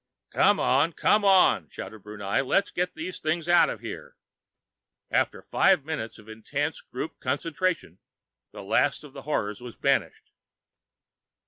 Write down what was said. "Come on! Come on!" shouted Brunei. "Let's get these things out of here!" After five minutes of intense group concentration, the last of the horrors was banished.